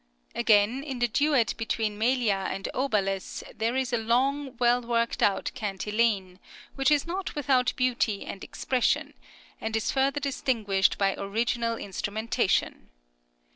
Again, in the duet between Melia and Obalus there is a long well worked out cantilene, which is not without beauty and expression, and is further distinguished by original instrumentation.